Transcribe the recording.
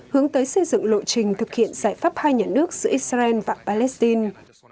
hướng tới xây dựng lộ trình thực hiện giải pháp hai nhà nước giữa israel và palestine